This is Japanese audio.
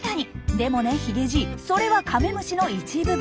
でもねヒゲじいそれはカメムシの一部分。